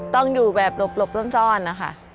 ต้องอยู่แบบหลบซ่อนนะคะ